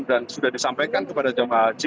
dan sudah disampaikan kepada jemaah haji